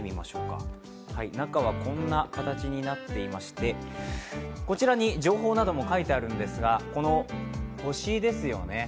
中は、こんな形になっていましてこちらに情報なども書いてあるんですがこの星ですよね。